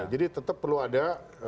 jadi tetap perlu ada